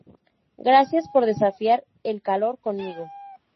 Gracias por desafiar el calor conmigo.